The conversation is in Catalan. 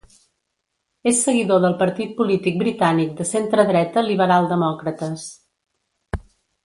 És seguidor del partit polític britànic de centredreta Liberal Demòcrates.